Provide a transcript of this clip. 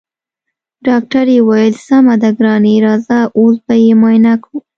ډاکټرې وويل سمه ده ګرانې راځه اوس به يې معاينه کړو.